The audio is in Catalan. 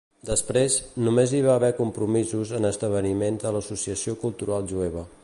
Després, només hi va haver compromisos en esdeveniments de l'Associació Cultural Jueva.